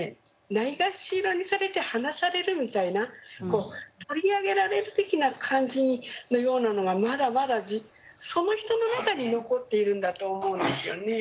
ないがしろにされて離されるみたいなこう取り上げられる的な感じのようなのがまだまだその人の中に残っているんだと思うんですよね。